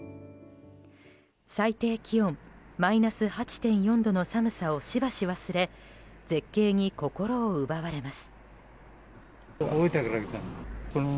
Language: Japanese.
最低気温マイナス８．４度の寒さをしばし忘れ絶景に心を奪われます。